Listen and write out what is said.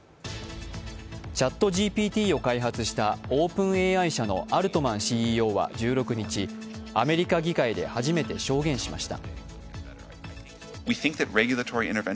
ＣｈａｔＧＰＴを開発したＯｐｅｎＡＩ社のアルトマンＣＥＯは１６日、アメリカ議会で初めて証言しました。